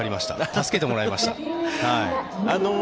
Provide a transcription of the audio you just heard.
助けてもらいました。